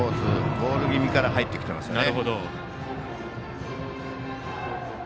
ボール気味から入ってきてますね。